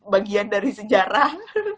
bagian dari sejarah